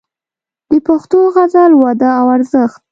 د پښتو غزل وده او ارزښت